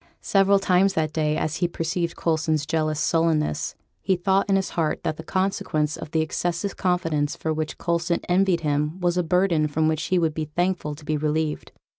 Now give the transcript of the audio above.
Several times that day, as he perceived Coulson's jealous sullenness, he thought in his heart that the consequence of the excessive confidence for which Coulson envied him was a burden from which he would be thankful to be relieved.